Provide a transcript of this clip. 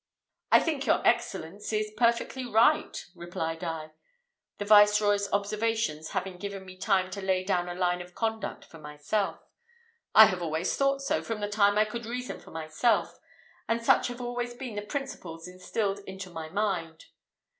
"I think your excellence is perfectly right," replied I, the Viceroy's observations having given me time to lay down a line of conduct for myself; "I have always thought so, from the time I could reason for myself; and such have been always the principles instilled into my mind."